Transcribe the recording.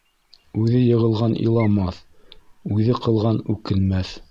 Үҙе йығылған иламаҫ, үҙе ҡылған үкенмәҫ.